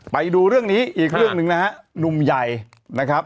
ไปดูเรื่องนี้อีกเรื่องหนึ่งนะฮะหนุ่มใหญ่นะครับ